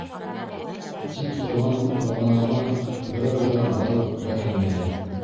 Тик торған бағанаға берәү ҙә барып бәрелмәй.